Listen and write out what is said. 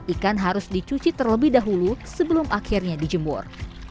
ikan harus dicuci terlebih dahulu sebelum akhirnya dijemur